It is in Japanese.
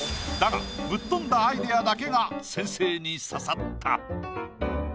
だがぶっ飛んだアイディアだけが先生に刺さった。